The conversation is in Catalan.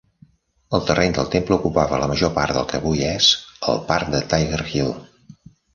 El terreny del temple ocupava la major part del que avui és el parc de Tiger Hill.